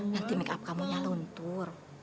nanti make up kamu nyaluntur